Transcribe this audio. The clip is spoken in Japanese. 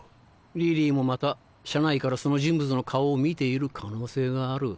リリーもまた車内からその人物の顔を見ている可能性がある。